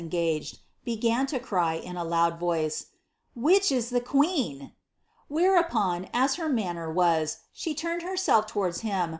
engaged, began to cry. in tt Ii>u J voice, " Which is the queer ?"' \Ther(^ upon, as lier manner was, she lurned heniell' lowards hini.